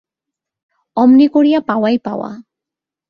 অমনি করিয়া পাওয়াই পাওয়া।